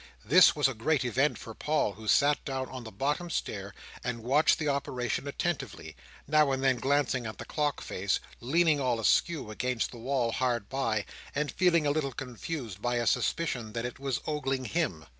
This was a great event for Paul, who sat down on the bottom stair, and watched the operation attentively: now and then glancing at the clock face, leaning all askew, against the wall hard by, and feeling a little confused by a suspicion that it was ogling him.